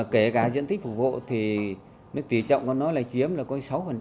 kể cả dung tích phục vụ thì nước tỷ trọng của nó là chiếm là có sáu